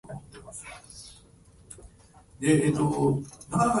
今日はたくさん寝よう